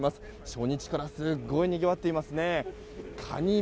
初日からすごい、にぎわっていますね。